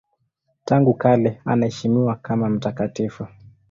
Tangu kale anaheshimiwa kama mtakatifu.